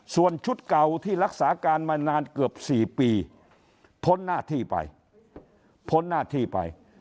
ส่วนชุดเก่าที่รักษาการมานานเกือบสี่ปีพ้นหน้าที่ไป